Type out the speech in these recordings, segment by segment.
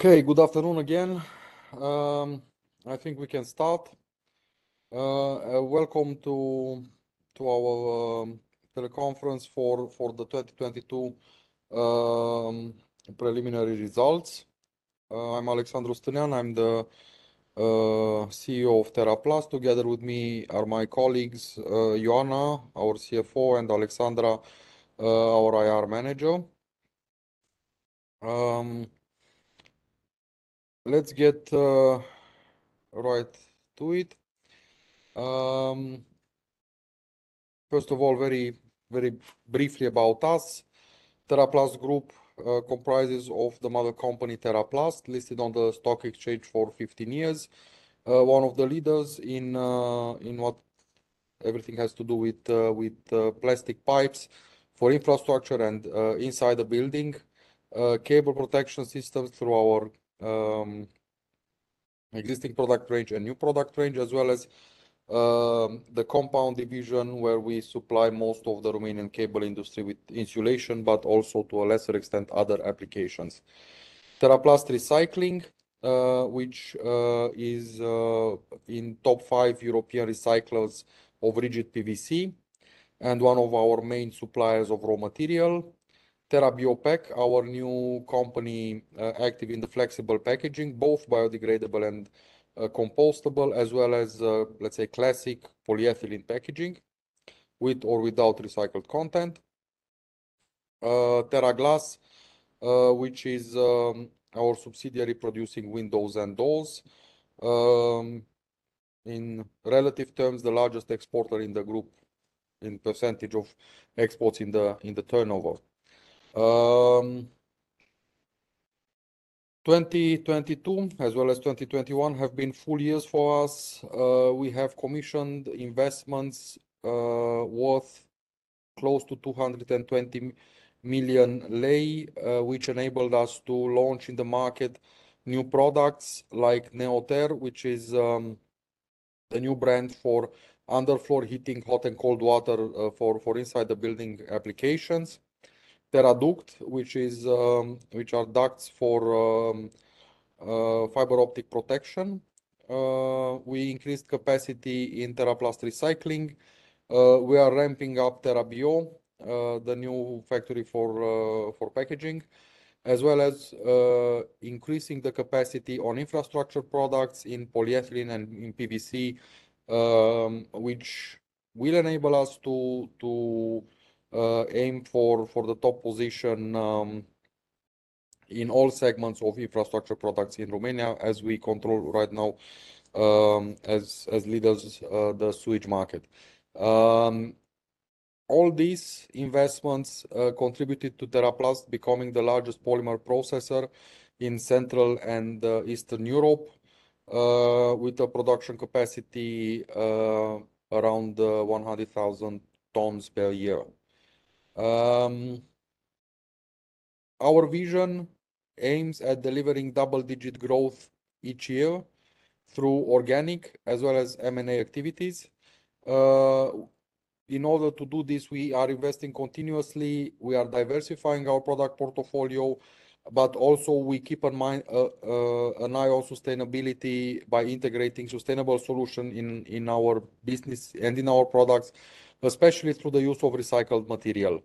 Okay. Good afternoon again. I think we can start. Welcome to our teleconference for the 2022 preliminary results. I'm Alexandru Stânean. I'm the CEO of TeraPlast. Together with me are my colleagues, Ioana, our CFO and Alexandra, our IR manager. Let's get right to it. First of all, very briefly about us. TeraPlast Group comprises of the mother company, TeraPlast, listed on the stock exchange for 15 years. One of the leaders in what everything has to do with plastic pipes for infrastructure and inside the building. Cable protection systems through our existing product range and new product range, as well as the compound division where we supply most of the Romanian cable industry with insulation, but also to a lesser extent, other applications. TeraPlast Recycling, which is in top five European recyclers of rigid PVC and one of our main suppliers of raw material. TeraBio Pack, our new company, active in the flexible packaging, both biodegradable and compostable as well as, let's say classic polyethylene packaging with or without recycled content. TeraGlass, which is our subsidiary producing windows and doors. In relative terms, the largest exporter in the group in percentage of exports in the turnover. 2022 as well as 2021 have been full years for us. We have commissioned investments worth close to RON 220 million, which enabled us to launch in the market new products like NeoTER which is a new brand for underfloor heating, hot and cold water, for inside the building applications. TERAduct, which are ducts for fiber optic protection. We increased capacity in TeraPlast Recycling. We are ramping up TeraBio, the new factory for packaging as well as increasing the capacity on infrastructure products in polyethylene and in PVC which will enable us to aim for the top position in all segments of infrastructure products in Romania as we control right now as leaders the sewage market. All these investments contributed to TeraPlast becoming the largest polymer processor in Central and Eastern Europe with a production capacity around 100,000 tons per year. Our vision aims at delivering double-digit growth each year through organic as well as M&A activities. In order to do this, we are investing continuously. We are diversifying our product portfolio, also we keep in mind, an eye on sustainability by integrating sustainable solution in our business and in our products, especially through the use of recycled material.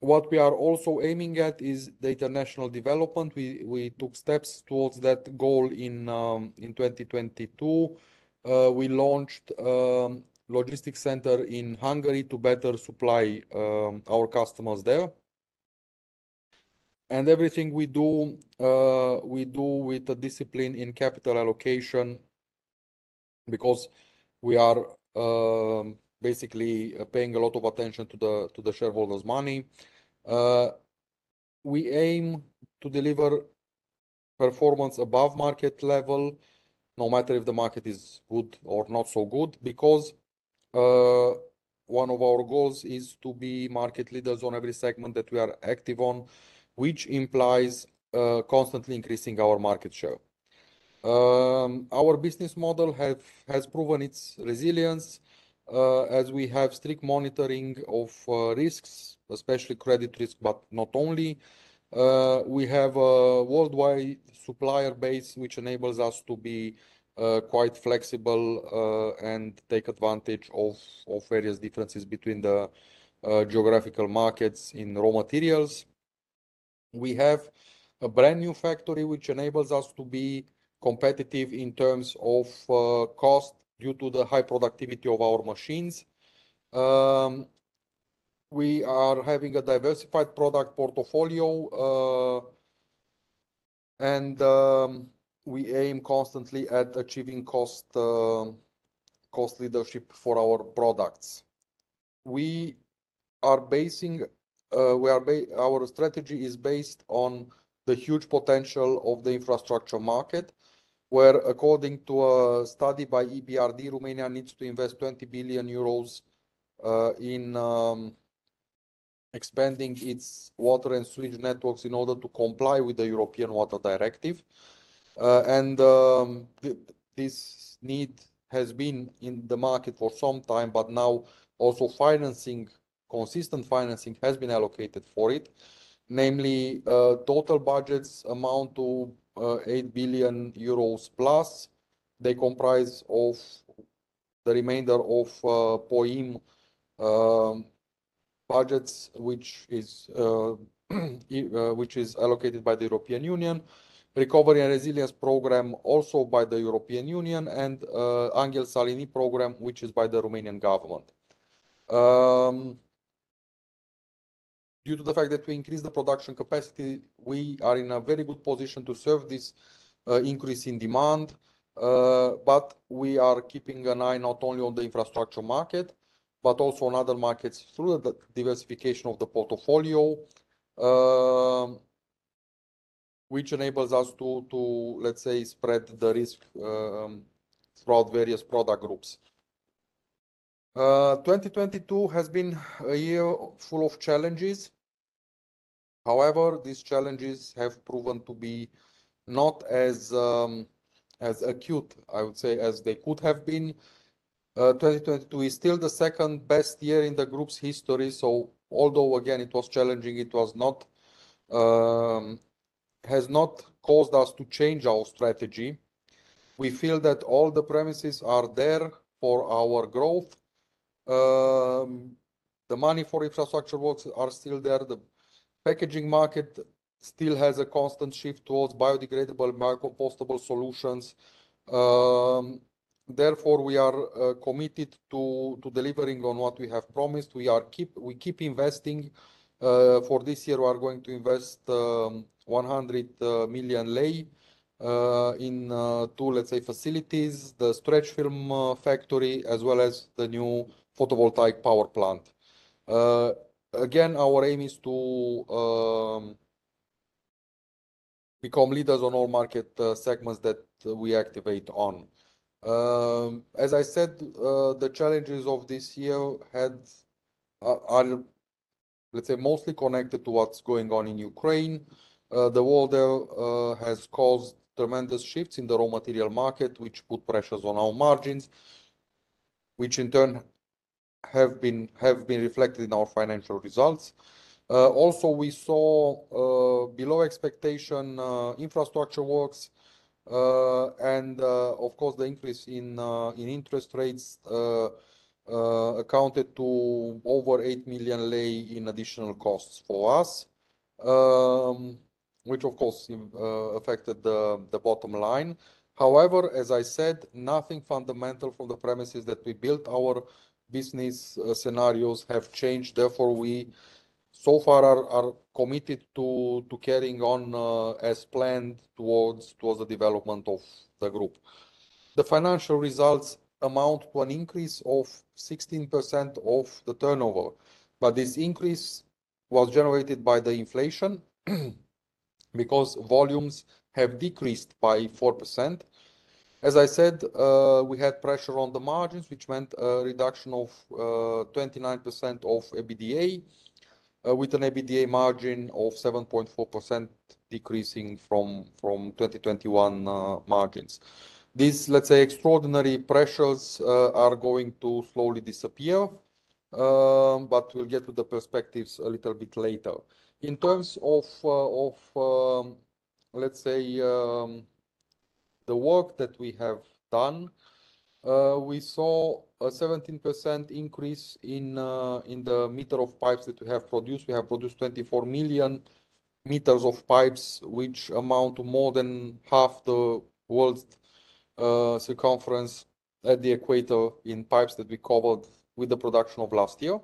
What we are also aiming at is the international development. We took steps towards that goal in 2022. We launched logistics center in Hungary to better supply our customers there. Everything we do, we do with the discipline in capital allocation because we are, basically paying a lot of attention to the, to the shareholders' money. We aim to deliver performance above market level no matter if the market is good or not so good, because one of our goals is to be market leaders on every segment that we are active on, which implies constantly increasing our market share. Our business model has proven its resilience as we have strict monitoring of risks, especially credit risk, but not only. We have a worldwide supplier base which enables us to be quite flexible and take advantage of various differences between the geographical markets in raw materials. We have a brand-new factory which enables us to be competitive in terms of cost due to the high productivity of our machines. We are having a diversified product portfolio and we aim constantly at achieving cost leadership for our products. Our strategy is based on the huge potential of the infrastructure market, where according to a study by EBRD, Romania needs to invest 20 billion euros in expanding its water and sewage networks in order to comply with the European Water Directive. This need has been in the market for some time, but now also financing, consistent financing has been allocated for it. Namely, total budgets amount to 8 billion euros plus. They comprise of the remainder of POIM budgets, which is allocated by the European Union, Recovery and Resilience Program also by the European Union, and Anghel Saligny Program, which is by the Romanian government. Due to the fact that we increase the production capacity, we are in a very good position to serve this increase in demand. We are keeping an eye not only on the infrastructure market, but also on other markets through the diversification of the portfolio, which enables us to, let's say, spread the risk throughout various product groups. 2022 has been a year full of challenges. However, these challenges have proven to be not as acute, I would say, as they could have been. 2022 is still the second best year in the Group's history. Although, again, it was challenging, it has not caused us to change our strategy. We feel that all the premises are there for our growth. The money for infrastructure works are still there. The packaging market still has a constant shift towards biodegradable micro compostable solutions. Therefore, we are committed to delivering on what we have promised. We keep investing. For this year, we are going to invest RON 100 million in two, let's say, facilities, the stretch film factory, as well as the new photovoltaic power plant. Again, our aim is to become leaders on all market segments that we activate on. As I said, the challenges of this year are, let's say, mostly connected to what's going on in Ukraine. The war there has caused tremendous shifts in the raw material market, which put pressures on our margins, which in turn have been reflected in our financial results. Also, we saw below expectation infrastructure works. Of course, the increase in interest rates accounted to over RON 8 million in additional costs for us, which of course affected the bottom line. However, as I said, nothing fundamental from the premises that we built. Our business scenarios have changed. We so far are committed to carrying on as planned towards the development of the group. The financial results amount to an increase of 16% of the turnover. This increase was generated by the inflation because volumes have decreased by 4%. As I said, we had pressure on the margins, which meant a reduction of 29% of EBITDA with an EBITDA margin of 7.4% decreasing from 2021 margins. These, let's say, extraordinary pressures are going to slowly disappear. We'll get to the perspectives a little bit later. In terms of, let's say, the work that we have done, we saw a 17% increase in the meter of pipes that we have produced. We have produced 24 million meters of pipes, which amount to more than half the world's circumference at the equator in pipes that we covered with the production of last year.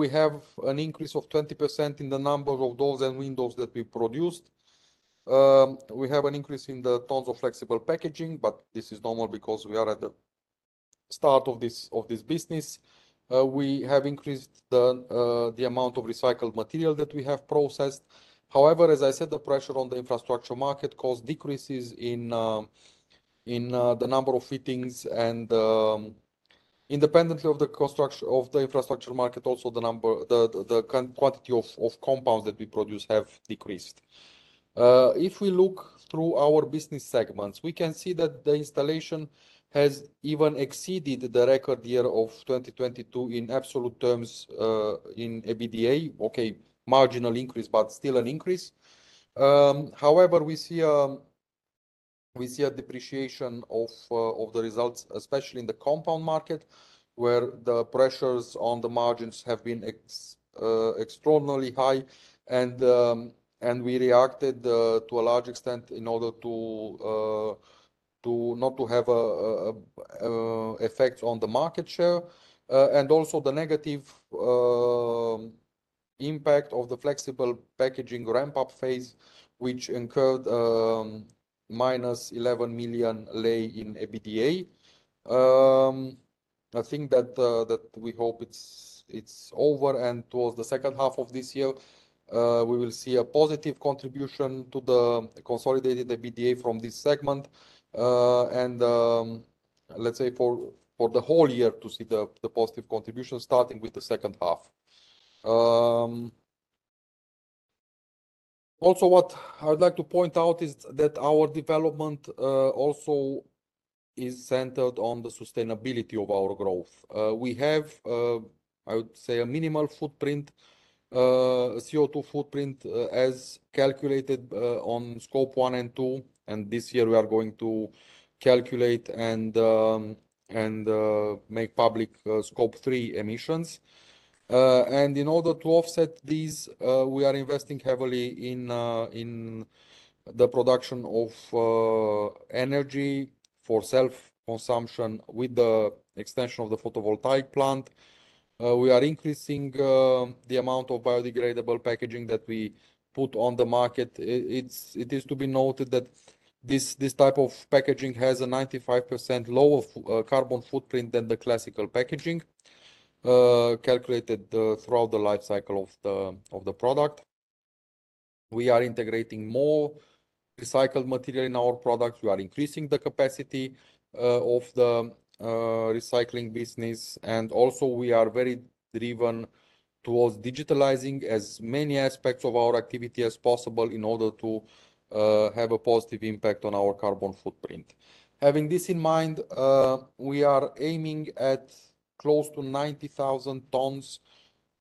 We have an increase of 20% in the number of doors and windows that we produced. We have an increase in the tons of flexible packaging, but this is normal because we are at the start of this business. We have increased the amount of recycled material that we have processed. As I said, the pressure on the infrastructure market caused decreases in the number of fittings and independently of the infrastructure market, also the quantity of compounds that we produce have decreased. If we look through our business segments, we can see that the installation has even exceeded the record year of 2022 in absolute terms in EBITDA. Okay, marginal increase, but still an increase. We see a depreciation of the results, especially in the compound market, where the pressures on the margins have been extraordinarily high. We reacted to a large extent in order to not to have an effect on the market share. Also the negative impact of the flexible packaging ramp-up phase, which incurred minus RON 11 million in EBITDA. I think that we hope it's over and towards the second half of this year, we will see a positive contribution to the consolidated EBITDA from this segment. Let's say for the whole year to see the positive contribution starting with the second half. Also what I would like to point out is that our development also is centered on the sustainability of our growth. We have, I would say a minimal footprint, CO2 footprint, as calculated on Scope 1 and 2, and this year we are going to calculate and make public Scope 3 emissions. In order to offset these, we are investing heavily in the production of energy for self-consumption with the extension of the photovoltaic plant. We are increasing the amount of biodegradable packaging that we put on the market. It is to be noted that this type of packaging has a 95% lower carbon footprint than the classical packaging calculated throughout the life cycle of the product. We are integrating more recycled material in our products. We are increasing the capacity of the recycling business, and also we are very driven towards digitalizing as many aspects of our activity as possible in order to have a positive impact on our carbon footprint. Having this in mind, we are aiming at close to 90,000 tons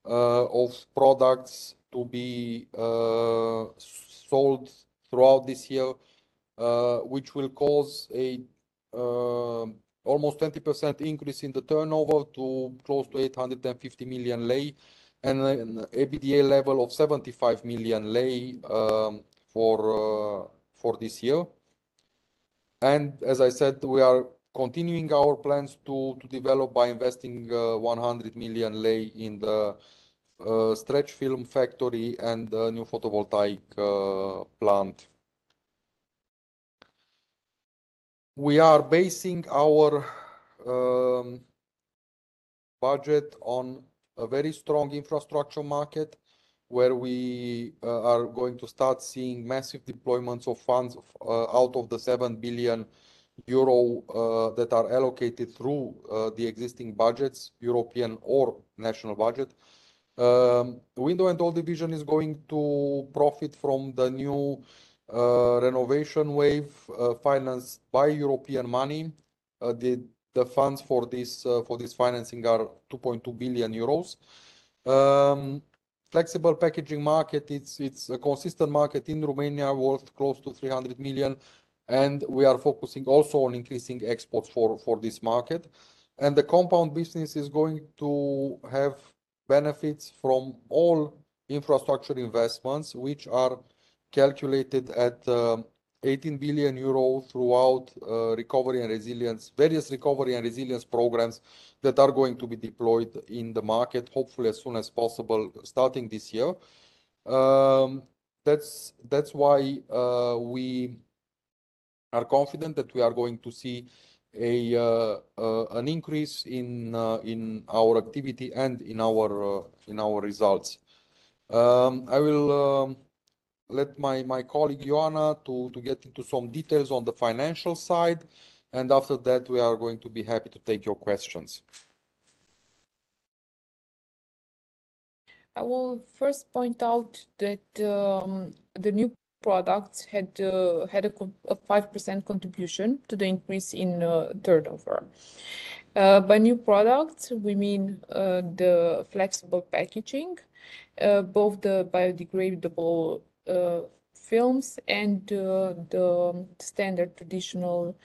of products to be sold throughout this year, which will cause almost 20% increase in the turnover to close to RON 850 million and an EBITDA level of RON 75 million for this year. As I said, we are continuing our plans to develop by investing RON 100 million in the stretch film factory and the new photovoltaic plant. We are basing our budget on a very strong infrastructure market where we are going to start seeing massive deployments of funds out of the 7 billion euro that are allocated through the existing budgets, European or national budget. Window and door division is going to profit from the new renovation wave, financed by European money. The funds for this for this financing are 2.2 billion euros. Flexible packaging market, it's a consistent market in Romania worth close to 300 million. We are focusing also on increasing exports for this market. The compound business is going to have benefits from all infrastructure investments, which are calculated at 18 billion euro throughout Recovery and Resilience, various Recovery and Resilience programs that are going to be deployed in the market hopefully as soon as possible starting this year. That's why we are confident that we are going to see an increase in our activity and in our results. I will let my colleague, Ioana, to get into some details on the financial side, and after that we are going to be happy to take your questions. I will first point out that, the new products had a 5% contribution to the increase in turnover. By new products, we mean the flexible packaging, both the biodegradable films and the standard traditional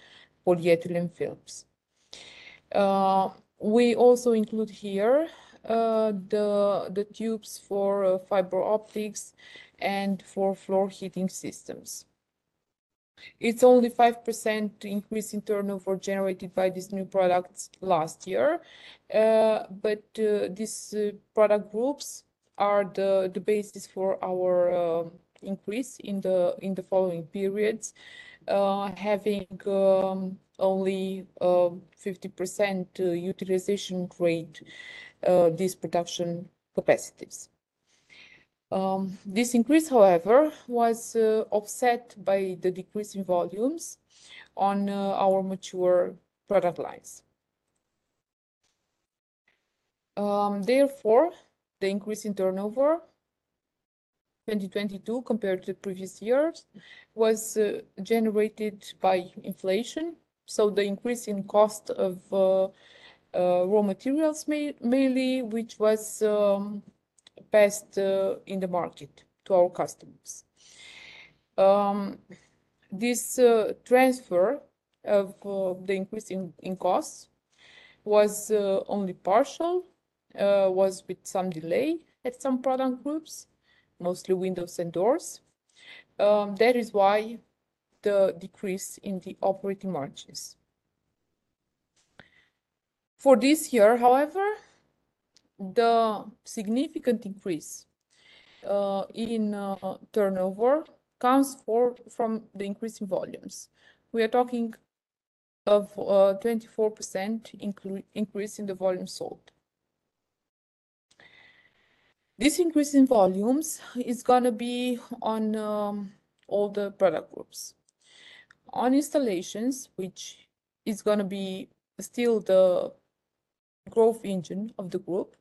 polyethylene films. We also include here the tubes for fiber optics and for floor heating systems. It's only 5% increase in turnover generated by these new products last year, but these product groups are the basis for our increase in the following periods, having only 50% utilization rate, these production capacities. This increase, however, was offset by the decrease in volumes on our mature product lines. Therefore, the increase in turnover, 2022 compared to previous years, was generated by inflation, so the increase in cost of raw materials mainly, which was passed in the market to our customers. This transfer of the increase in costs was only partial, was with some delay at some product groups, mostly windows and doors. That is why the decrease in the operating margins. For this year, however, the significant increase in turnover comes from the increase in volumes. We are talking of 24% increase in the volume sold. This increase in volumes is going to be on all the product groups. On installations, which is going to be still the growth engine of the group,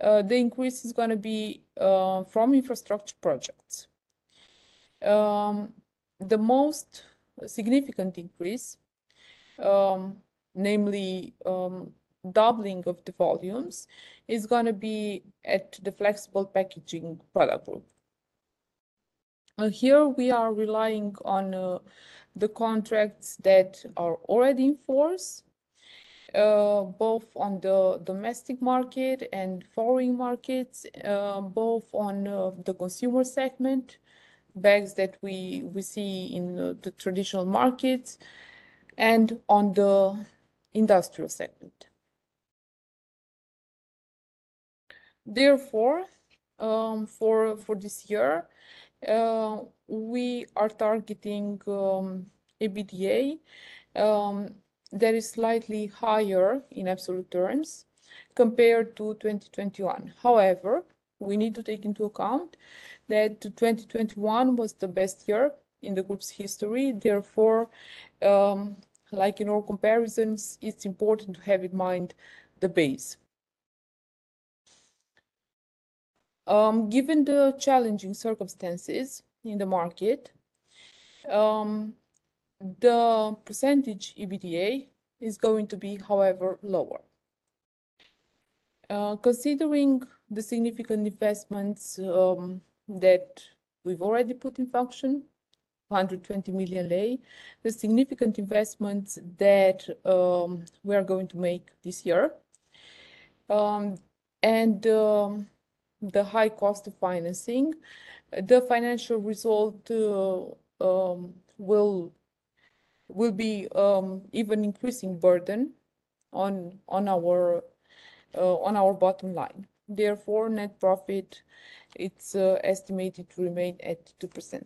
the increase is going to be from infrastructure projects. The most significant increase, namely, doubling of the volumes, is going to be at the flexible packaging product group. Here we are relying on the contracts that are already in force, both on the domestic market and foreign markets, both on the consumer segment, bags that we see in the traditional markets and on the industrial segment. For this year, we are targeting EBITDA that is slightly higher in absolute terms compared to 2021. However, we need to take into account that 2021 was the best year in the group's history. Like in all comparisons, it's important to have in mind the base. Given the challenging circumstances in the market, the percentage EBITDA is going to be, however, lower. Considering the significant investments, that we've already put in function, RON 120 million, the significant investments that we are going to make this year, and the high cost of financing, the financial result, will be even increasing burden on our bottom line. Therefore, net profit, it's estimated to remain at 2%.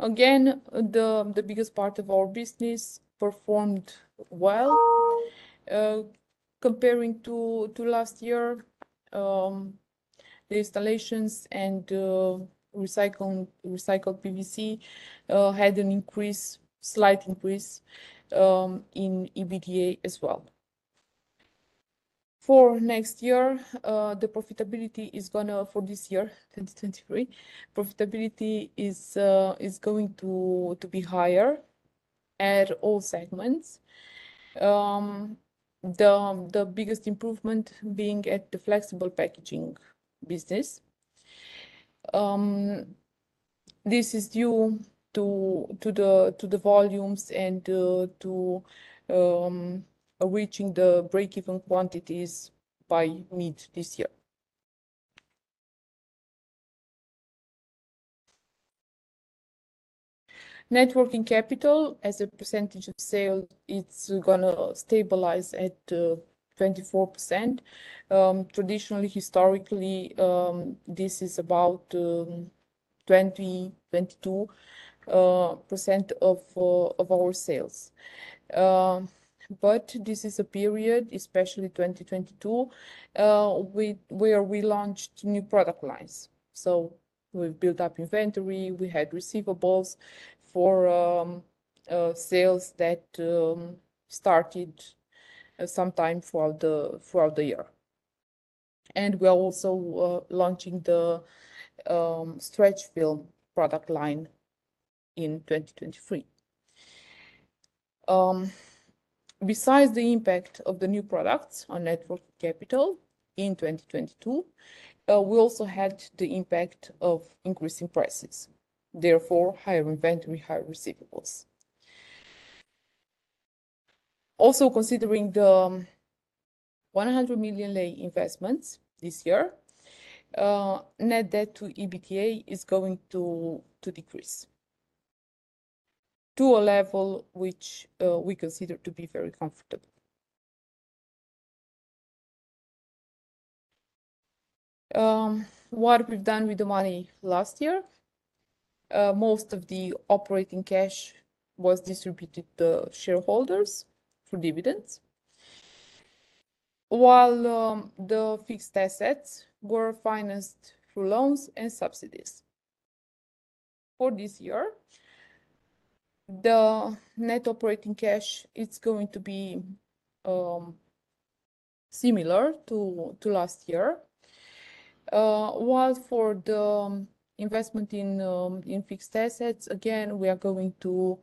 Again, the biggest part of our business performed well. Comparing to last year, the installations and recycled PVC, had an increase, slight increase, in EBITDA as well. For this year, 2023, profitability is going to be higher at all segments. The biggest improvement being at the flexible packaging business. This is due to the volumes and to reaching the break-even quantities by mid this year. Net working capital as a percentage of sales, it's gonna stabilize at 24%. Traditionally, historically, this is about 20%, 22% of our sales. This is a period, especially 2022, where we launched new product lines. We've built up inventory. We had receivables for sales that started sometime throughout the year. We are also launching the stretch film product line in 2023. Besides the impact of the new products on net working capital in 2022, we also had the impact of increasing prices, therefore, higher inventory, higher receivables. Considering the RON 100 million investments this year, net debt to EBITDA is going to decrease to a level which we consider to be very comfortable. What we've done with the money last year, most of the operating cash was distributed to shareholders through dividends, while the fixed assets were financed through loans and subsidies. This year, the net operating cash is going to be similar to last year. While for the investment in fixed assets, again, we are going to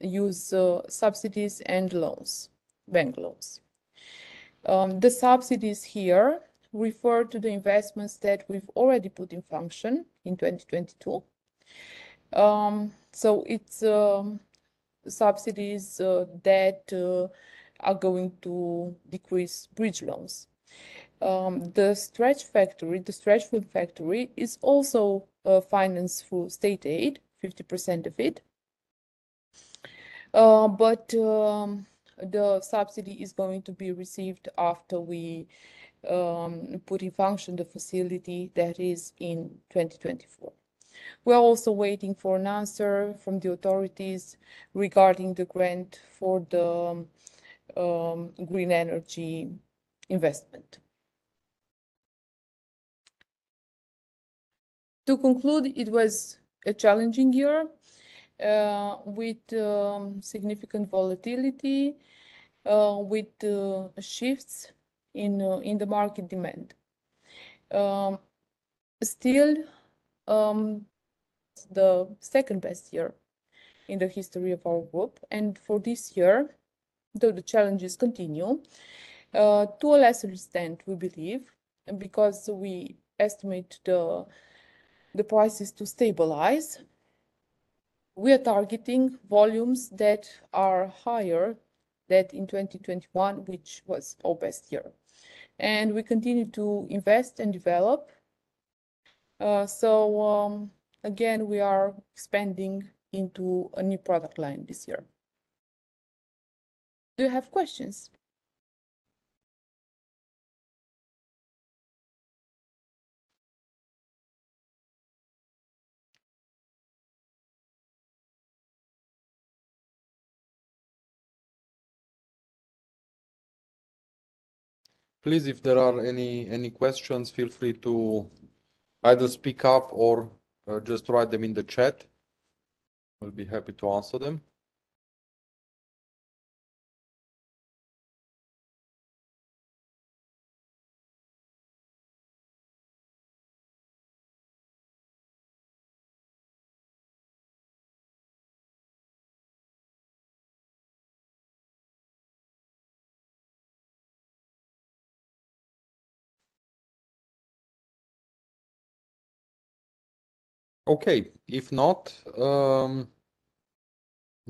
use subsidies and loans, bank loans. The subsidies here refer to the investments that we've already put in function in 2022. It's subsidies that are going to decrease bridge loans. The stretch film factory is also financed through state aid, 50% of it. The subsidy is going to be received after we put in function the facility that is in 2024. We are also waiting for an answer from the authorities regarding the grant for the green energy investment. To conclude, it was a challenging year, with significant volatility, with the shifts in the market demand. Still, the second best year in the history of our group for this year, though the challenges continue to a lesser extent we believe because we estimate the prices to stabilize. We are targeting volumes that are higher than in 2021, which was our best year. We continue to invest and develop. Again, we are expanding into a new product line this year. Do you have questions? Please, if there are any questions, feel free to either speak up or just write them in the chat. We'll be happy to answer them. Okay. If not,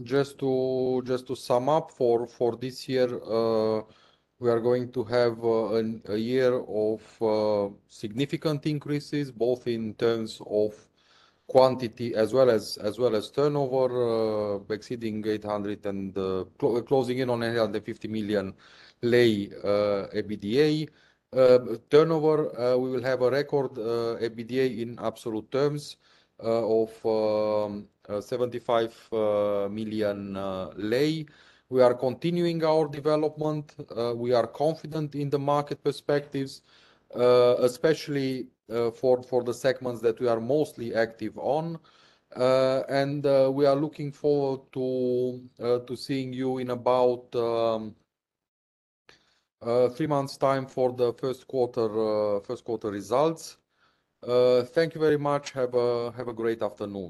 just to sum up for this year, we are going to have a year of significant increases both in terms of quantity as well as turnover, exceeding 800 and closing in on RON 850 million, EBITDA. Turnover, we will have a record EBITDA in absolute terms of RON 75 million. We are continuing our development. We are confident in the market perspectives, especially for the segments that we are mostly active on. We are looking forward to seeing you in about three months' time for the first quarter results. Thank you very much, have a great afternoon